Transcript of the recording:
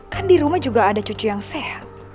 kan di rumah juga ada cucu yang sehat